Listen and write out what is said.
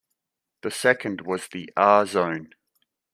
The second was the R-Zone.